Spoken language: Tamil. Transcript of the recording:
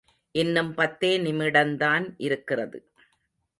இன்னும் பத்தே நிமிடந்தான் இருக்கிறது.